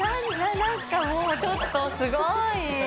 なんかもう、ちょっとすごい。